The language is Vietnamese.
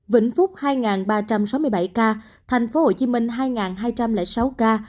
vĩnh phúc hai ba trăm sáu mươi bảy ca thành phố hồ chí minh hai hai trăm linh sáu ca